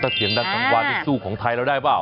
เสียงดังกังวานสู่กของไทยเราได้เปล่า